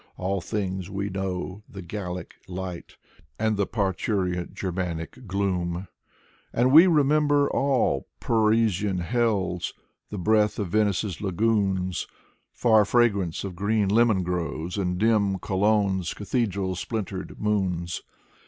All things we know : the Gallic light And the parturient Germanic gloom. Alexander Blok 135 And we remember all: Parisian hells, The breath of Venice's lagoons, Far fragrance of green lemon groves, And dim Cologne's cathedral splintered moons.